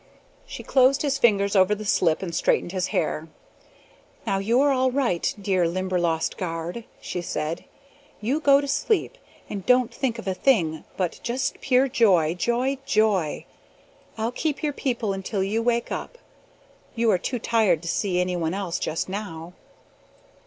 She closed his fingers over the slip and straightened his hair. "Now you are all right, dear Limberlost guard," she said. "You go to sleep and don't think of a thing but just pure joy, joy, joy! I'll keep your people until you wake up. You are too tired to see anyone else just now!"